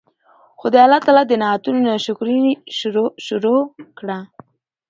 خو د الله تعالی د نعمتونو نا شکري ئي شروع کړه